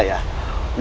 diantara kita bertiga ya